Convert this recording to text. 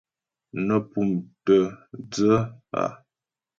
Nə́ pʉ́mtə̀ dhə́ a.